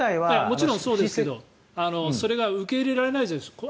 もちろん、そうですけどそれが受け入れられないじゃないですか。